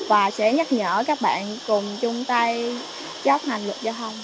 và sẽ nhắc nhở các bạn cùng chung tay chấp hành luật giao thông